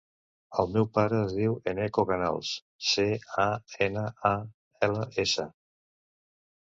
El meu pare es diu Eneko Canals: ce, a, ena, a, ela, essa.